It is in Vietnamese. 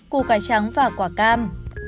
củ cải trắng và quả cam